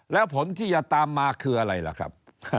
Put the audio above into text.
แล้วผลที่จะตามมาคืออะไรล่ะครับ